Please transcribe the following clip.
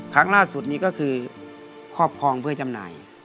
ครั้งล่าสุดนี้ก็คือครอบครองเพื่อจำหน่าย